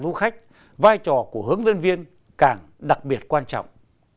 du khách vai trò của hướng dẫn viên càng đặc biệt quan trọng